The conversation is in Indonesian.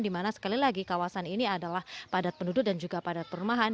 di mana sekali lagi kawasan ini adalah padat penduduk dan juga padat perumahan